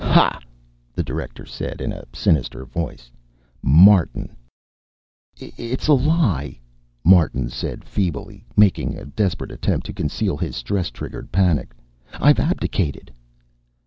"Ha!" the director said in a sinister voice. "Martin." "It's a lie," Martin said feebly, making a desperate attempt to conceal his stress triggered panic. "I've abdicated."